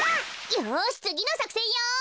よしつぎのさくせんよ！